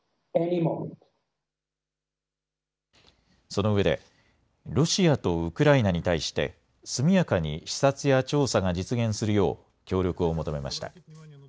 そのうえで、ロシアとウクライナに対して速やかに視察や調査が実現するよう協力を求めました。